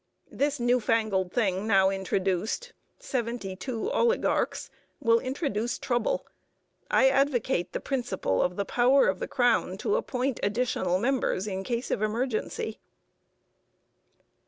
This new fangled thing now introduced, seventy two oligarchs, will introduce trouble. I advocate the principle of the power of the crown to appoint additional members in case of emergency.